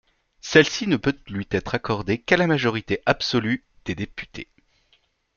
Celle-ci ne peut lui être accordée qu'à la majorité absolue des députés.